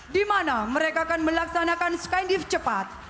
di mana mereka akan melaksanakan skindive cepat